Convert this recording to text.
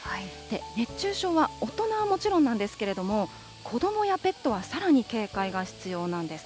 熱中症は大人はもちろんなんですけれども、子どもやペットはさらに警戒が必要なんです。